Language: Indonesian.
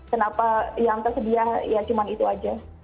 kenapa yang tersedia ya cuma itu aja